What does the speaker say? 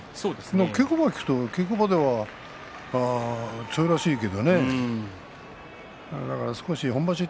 稽古場へ行くと稽古場では強いらしいけどね。